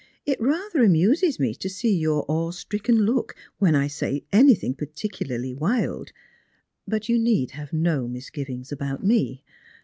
It rather amuses me to see your awe stricken look when I say anything particularly wild. But you need have no misgivings about me.